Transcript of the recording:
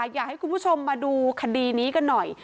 อยากให้คุณผู้ชมมาดูคดีนี้กันหน่อย